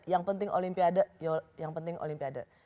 yang penting olimpiade yang penting olimpiade